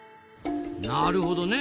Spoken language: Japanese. なるほどね。